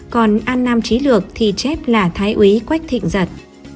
còn an nam trí lược thì chép là thái uý quách thịnh giật